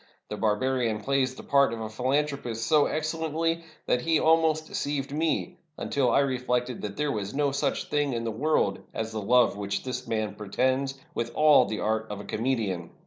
The barbarian plays the part of a philanthropist so excellently that he almost deceived me, until I reflected that there was no such thing in the world as the love which this man pretends, with all the art of a comedian.